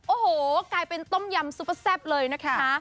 โอ้โหกลายเป็นต้มยำซุปเปอร์แซ่บเลยนะคะ